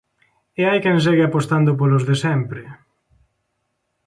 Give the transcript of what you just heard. E hai quen segue apostando polos de sempre...